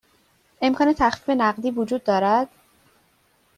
امکان تخفیف نقدی وجود دارد؟